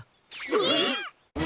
えっ！？